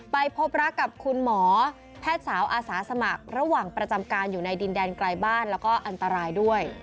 ไปพบรักกับคุณหมอแพทย์สาวอาสาสมัครระหว่างประจำการอยู่ในดินแดนไกลบ้านแล้วก็อันตรายด้วย